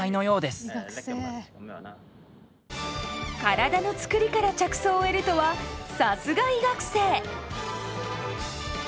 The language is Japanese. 体のつくりから着想を得るとはさすが医学生！